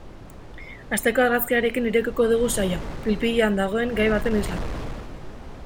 Asteko argazkiarekin irekiko dugu saila, pil-pilean dagoen gai baten isla.